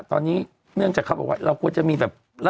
ตอนนี้เนื่องจากเขาบอกว่าเราควรจะมีแบบ